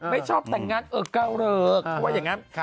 ไม่ชอบแต่งงานเกลือ่ค